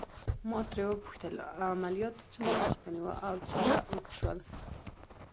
ما ترې وپوښتل: عملياتو څومره وخت ونیو او څومره اوږد شول؟